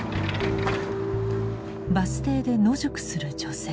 バス停で野宿する女性。